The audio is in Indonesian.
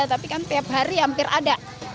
tapi kan tiap hari hampir ada